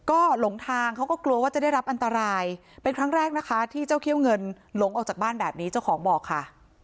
ก็หลงทางเขาก็กลัวว่าจะได้รับอันตรายเป็นครั้งแรกนะคะที่เจ้าเขี้ยวเงินหลงออกจากบ้านแบบนี้เจ้าของบอกค่ะ